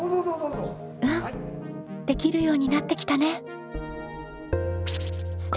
うんできるようになってきたね。